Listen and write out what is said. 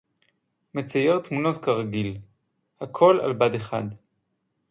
מצייר תמונות, כרגיל. הכול על בד אחד.